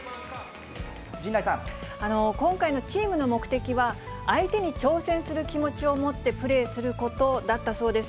今回のチームの目的は、相手に挑戦する気持ちを持ってプレーすることだったそうです。